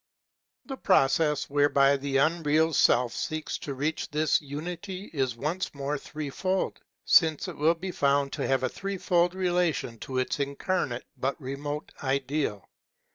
The process whereby the unreal Self seeks to reach this unity is once more threefold, since it will be found to have a threefold relation to its incarnate but remote Ideal.